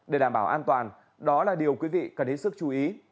để đảm bảo an toàn đó là điều quý vị cần hết sức chú ý